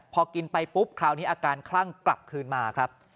พอกินไปปุ๊บคราวนี้อาการคลั่งกลับคืนมาครับ